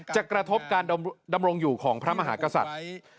กระทบการดำรงอยู่ของพระมหากษัตริย์